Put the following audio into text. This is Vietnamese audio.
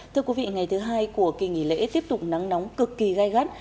thưa quý vị ngày thứ hai của kỳ nghỉ lễ tiếp tục nắng nóng cực kỳ gai gắt